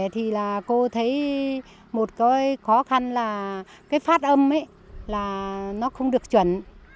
thì là cô thấy một cái khó khăn là cái phát âm là nó không được chuẩn